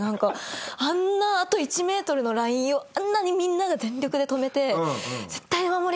あんなあと１ｍのラインをあんなにみんなで全力で止めて絶対に守り切るぞ！